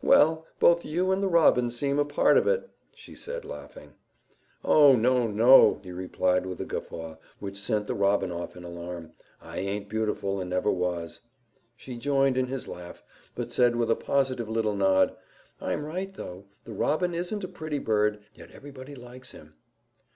"Well, both you and the robin seem a part of it," she said, laughing. "Oh, no, no!" he replied with a guffaw which sent the robin off in alarm. "I aint beautiful and never was." She joined his laugh, but said with a positive little nod, "I'm right, though. The robin isn't a pretty bird, yet everybody likes him."